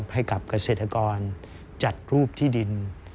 ให้กับเกษตรกรจัดรูปที่ดิน